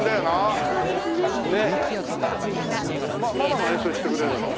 ママが演奏してくれるの？